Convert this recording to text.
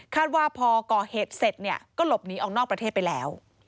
ว่าพอก่อเหตุเสร็จเนี่ยก็หลบหนีออกนอกประเทศไปแล้ว